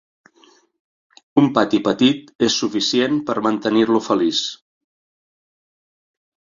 Un pati petit és suficient per mantenir-lo feliç.